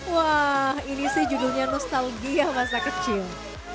wah ini sih judulnya nostalgia masa kecil